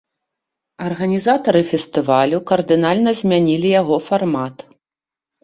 Арганізатары фестывалю кардынальна змянілі яго фармат.